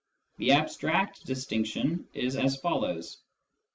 The abstract distinction is as follows.